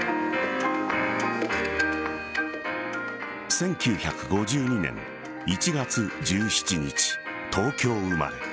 １９５２年１月１７日東京生まれ。